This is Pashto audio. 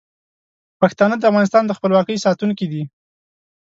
پښتانه د افغانستان د خپلواکۍ ساتونکي دي.